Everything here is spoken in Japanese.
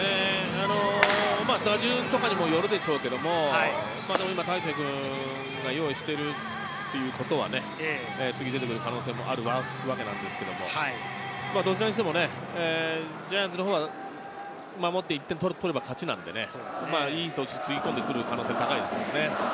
打順にもよるでしょうけれど、今、大勢君が用意しているということは、次に出てくる可能性もあるわけなんですけれど、どちらにしてもジャイアンツのほうは守って１点を取れば勝ちなので、いい投手をつぎ込んでくる可能性が高いですよね。